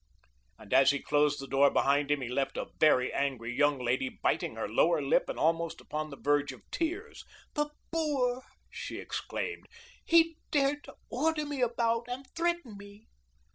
And as he closed the door behind him he left a very angry young lady biting her lower lip and almost upon the verge of angry tears. "The boor," she exclaimed; "he dared to order me about and threaten me."